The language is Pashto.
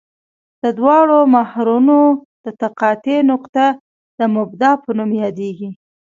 د دواړو محورونو د تقاطع نقطه د مبدا په نوم یادیږي